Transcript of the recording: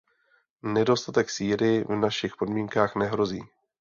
Nedostatek síry v našich podmínkách nehrozí.